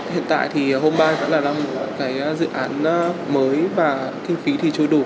hiện tại thì hombile vẫn là một cái dự án mới và kinh phí thì chưa đủ